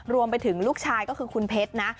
รวมไปถึงลูกชายก็คือคุณเพชรนะ